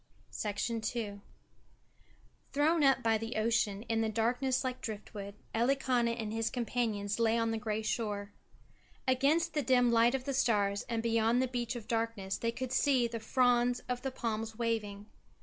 II Thrown up by the ocean in the darkness like driftwood, Elikana and his companions lay on the grey shore. Against the dim light of the stars and beyond the beach of darkness they could see the fronds of the palms waving.